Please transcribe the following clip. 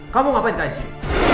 kamu ngapain ke icu